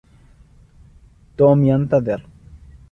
توم ينتظر.